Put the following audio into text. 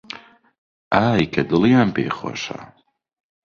ئای کە دڵیان پێی خۆشە